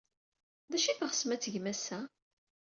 D acu ay teɣsem ad tgem ass-a?